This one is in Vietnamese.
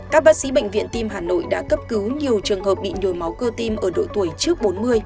các bác sĩ bệnh viện tim hà nội đã cấp cứu nhiều trường hợp bị nhồi máu cơ tim ở độ tuổi trước bốn mươi